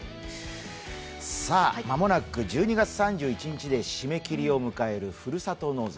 間もなく１２月３１日で締め切りを迎えるふるさと納税。